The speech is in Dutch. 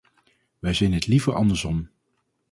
Wij zien het liever andersom.